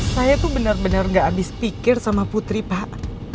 saya tuh benar benar gak habis pikir sama putri pak